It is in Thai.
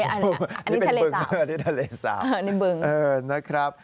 อันนี้ทะเลสาว